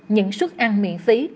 những suất ăn miễn phí